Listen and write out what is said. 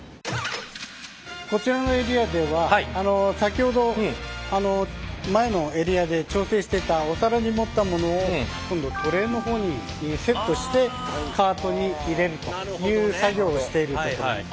こちらのエリアでは先ほど前のエリアで調製してたお皿に盛ったものを今度トレーの方にセットしてカートに入れるという作業をしているところです。